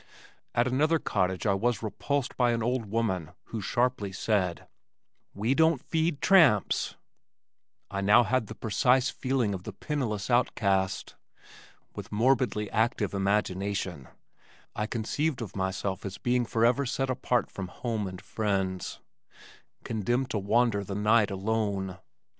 At another cottage I was repulsed by an old woman who sharply said, "We don't feed tramps." I now had the precise feeling of the penniless outcast. With morbidly active imagination I conceived of myself as a being forever set apart from home and friends, condemned to wander the night alone.